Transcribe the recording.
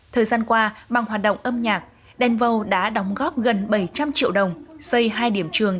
thời gian qua bằng hoạt động âm nhạc danwow đã đóng góp gần bảy trăm linh triệu đồng xây hai điểm trường